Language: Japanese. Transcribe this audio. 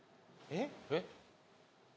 えっ！？